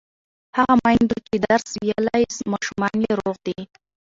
هغه میندو چې درس ویلی، ماشومان یې روغ دي.